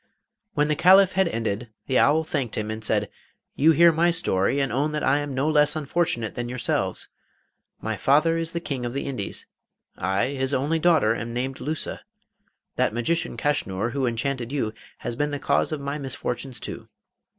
IV. When the Caliph had ended, the owl thanked him and said: 'You hear my story, and own that I am no less unfortunate than yourselves. My father is the King of the Indies. I, his only daughter, am named Lusa. That magician Kaschnur, who enchanted you, has been the cause of my misfortunes too.